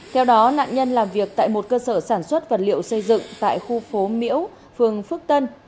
theo đó nạn nhân làm việc tại một cơ sở sản xuất vật liệu xây dựng tại khu phố miễu phường phước tân